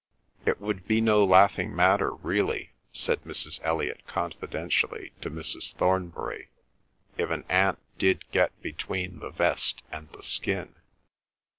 "It would be no laughing matter really," said Mrs. Elliot confidentially to Mrs. Thornbury, "if an ant did get between the vest and the skin."